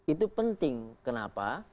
itu penting kenapa